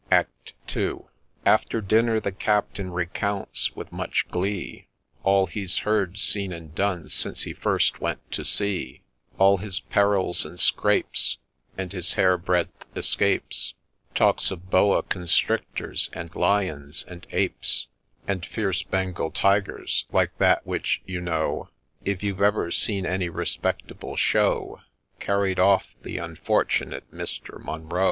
ACT II. After dinner the Captain recounts, with much glee, All he 's heard, seen, and done since he first went to sea, All his perils and scrapes, And his hair breadth escapes, Talks of boa constrictors, and lions, and apes, And fierce ' Bengal Tigers,' like that which, you know, If you've ever seen any respectable ' Show,' ' Carried off the unfortunate Mr. Munro.'